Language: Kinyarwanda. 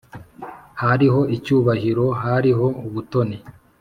hariho icyubahiro hariho ubutoni